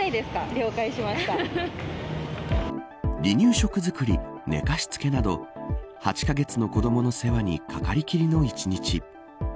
離乳食作り寝かしつけなど８カ月の子どもの世話にかかりきりの一日。